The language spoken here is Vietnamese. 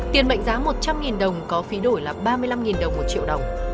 tiền mệnh giá một trăm linh đồng có phí đổi là ba mươi năm đồng một triệu đồng